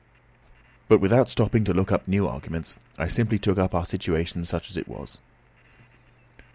But without stopping to look up new arguments I simply took up our situation such as it was.